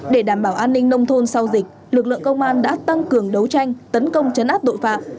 để đảm bảo an ninh nông thôn sau dịch lực lượng công an đã tăng cường đấu tranh tấn công chấn áp tội phạm